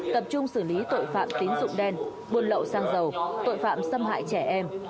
tập trung xử lý tội phạm tín dụng đen buôn lậu sang giàu tội phạm xâm hại trẻ em